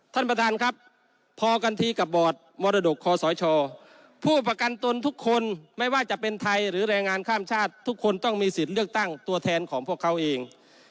ท่านประธานครับพอกันทีกับบอร์ดมรดกคอสชผู้ประกันตนทุกคนไม่ว่าจะเป็นไทยหรือแรงงานข้ามชาติทุกคนต้องมีสิทธิ์เลือกตั้งตัวแทนของพวกเขาเอง